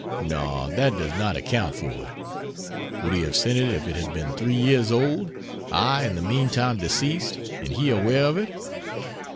"No, that does not account for it. Would he have sent it if it had been three years old, I in the meantime deceased, and he aware of it?"